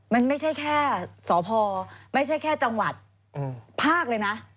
มันไม่ใช่แค่สพไม่ใช่แค่จังหวัดภาคเลยนะ